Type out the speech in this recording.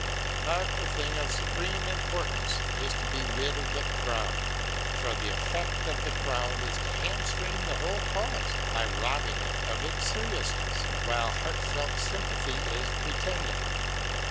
But the thing of supreme importance is to be rid of the crowd; for the effect of the crowd is to hamstring the whole cause by robbing it of its seriousness while heartfelt sympathy is pretended.